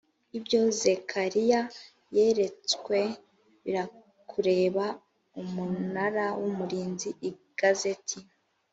ibyo zekariya yeretswe birakureba umunara w umurinzi igazeti